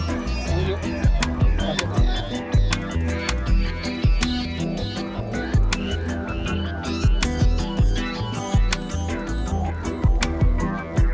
f pertimbangan kerja akademi